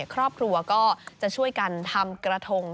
ครอบครัวก็จะช่วยกันทำกระทง